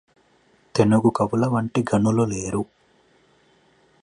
తెనుగు కవులవంటి ఘనులు లేరు